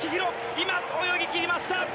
今、泳ぎ切りました。